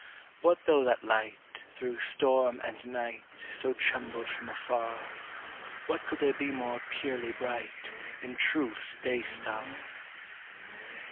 What though that light, thro' storm and night, So trembled from afar What could there be more purely bright In Truth's day star?